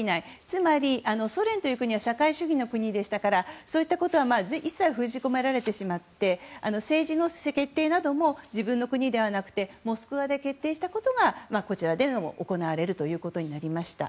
つまりソ連という国は社会主義の国でしたからそうしたことは一切封じ込められてしまって政治の決定なども自分の国ではなくてモスクワで決定したことがこちらで行われることになりました。